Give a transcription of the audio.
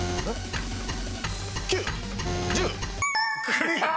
［クリア！］